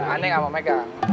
aneh sama mereka